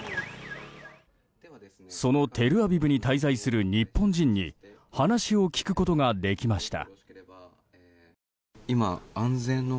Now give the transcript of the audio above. そのテルアビブに滞在する日本人に話を聞くことができました。